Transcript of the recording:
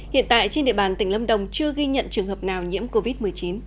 hiện tại trên địa bàn tỉnh lâm đồng chưa ghi nhận trường hợp nào nhiễm covid một mươi chín